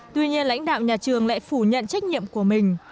tuy nhiên lãnh đạo nhà trường lại phủ nhận trách nhiệm của mình